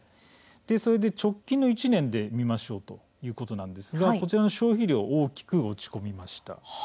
直近の１年を見てみましょうということなんですが、こちらの消費量が大きく落ち込みました。